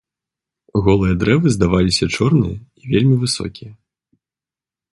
Голыя дрэвы здаваліся чорныя і вельмі высокія.